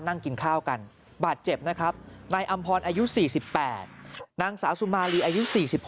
นั่งกินข้าวกันบาดเจ็บนะครับนายอำพรอายุ๔๘นางสาวสุมาลีอายุ๔๖